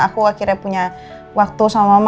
aku akhirnya punya waktu sama mama